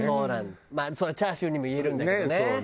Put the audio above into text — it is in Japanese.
まあそれはチャーシューにも言えるんだけどね。